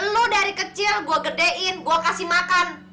lu dari kecil gua gedein gua kasih makan